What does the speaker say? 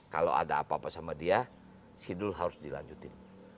kalau ada apa apa sama dia sidul harus dilanjutin